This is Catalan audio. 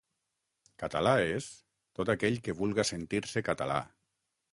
Català és tot aquell que vulga sentir-se català.